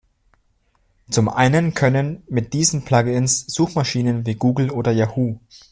Zum einen können mit diesen Plug-ins Suchmaschinen wie Google oder Yahoo!